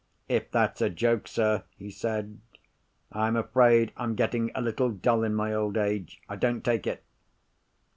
"If that's a joke, sir," he said, "I'm afraid I'm getting a little dull in my old age. I don't take it."